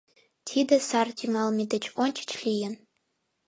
Тиде сар тӱҥалме деч ончыч лийын.